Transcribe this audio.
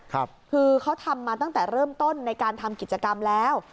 คือเขาทำมาตั้งแต่เริ่มต้นในการทำกิจกรรมแล้ว